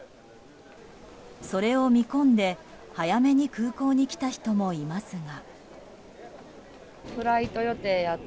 それを見込んで、早めに空港に来た人もいますが。